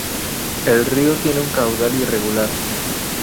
El río tiene un caudal irregular.